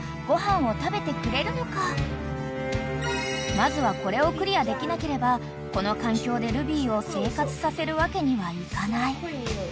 ［まずはこれをクリアできなければこの環境でルビーを生活させるわけにはいかない］